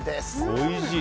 おいしい。